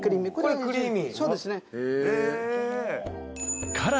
クリーミー